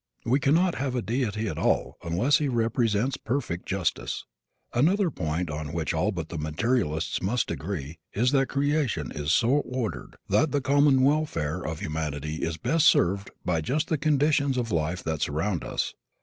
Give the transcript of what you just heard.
We cannot have a deity at all unless He represents perfect justice. Another point on which all but the materialists must agree is that creation is so ordered that the common welfare of humanity is best served by just the conditions of life that surround us.